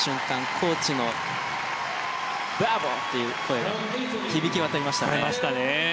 コーチのブラボー！という声が響き渡りましたね。